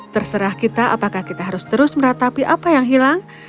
terserah kita apakah kita harus terus meratapi apa yang hilang